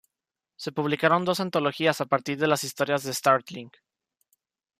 Se publicaron dos antologías a partir de las historias de "Startling".